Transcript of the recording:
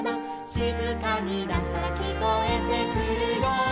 「しずかになったらきこえてくるよ」